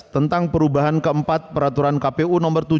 tentang perubahan keempat peraturan kpu nomor tujuh tahun dua ribu tujuh belas